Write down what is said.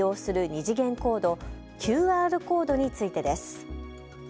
２次元コード、ＱＲコードについてです。